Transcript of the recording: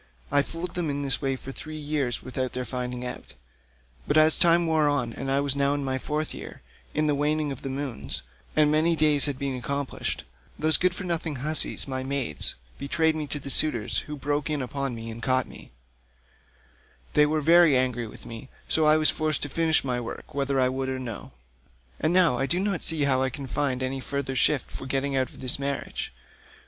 I fooled them in this way for three years without their finding it out, but as time wore on and I was now in my fourth year, in the waning of moons, and many days had been accomplished, those good for nothing hussies my maids betrayed me to the suitors, who broke in upon me and caught me; they were very angry with me, so I was forced to finish my work whether I would or no. And now I do not see how I can find any further shift for getting out of this marriage.